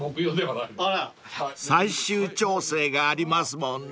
［最終調整がありますもんね］